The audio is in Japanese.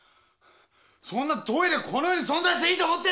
そんなトイレこの世に存在していいと思ってんのかよ！？